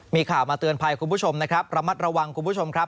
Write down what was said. มีข่าวมาเตือนภัยคุณผู้ชมนะครับระมัดระวังคุณผู้ชมครับ